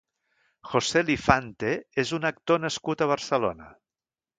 José Lifante és un actor nascut a Barcelona.